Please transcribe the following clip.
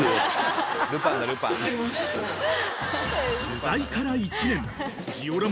［取材から１年］